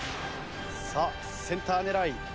さあセンター狙い。